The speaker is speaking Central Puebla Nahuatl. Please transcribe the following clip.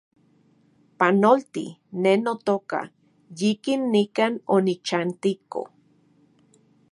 Panolti, ne notoka, yikin nikan onichantiko